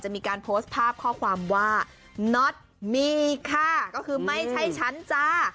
มีค่ะก็คือไม่ใช่ฉันจ้า